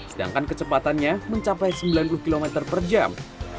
sedangkan kecepatannya mencapai sembilan puluh km per jam